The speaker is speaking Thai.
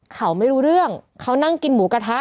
เขาไม่รู้เรื่องเขานั่งกินหมูกระทะ